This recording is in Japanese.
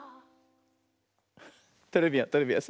トレビアントレビアン。